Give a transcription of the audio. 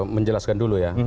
menjelaskan dulu ya